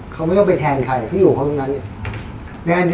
เขาไม่ได้ไปแทนใครเขาอยู่ข้างนั้นเนี้ย